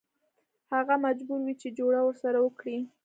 هغه مجبور وي چې جوړه ورسره وکړي.